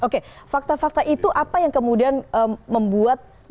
oke fakta fakta itu apa yang kemudian membuat